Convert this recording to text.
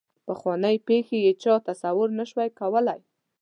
پخوانۍ پېښې یې چا تصور نه شو کولای.